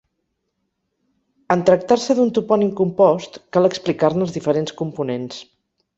En tractar-se d'un topònim compost, cal explicar-ne els diferents components.